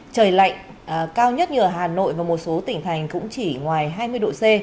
trời lạnh cao nhất như ở hà nội và một số tỉnh thành cũng chỉ ngoài hai mươi độ c